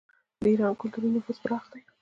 د ایران کلتوري نفوذ پراخ دی.